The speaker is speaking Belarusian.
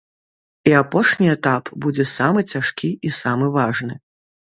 І апошні этап будзе самы цяжкі і самы важны.